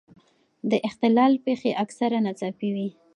د اختلال پېښې اکثره ناڅاپي وي.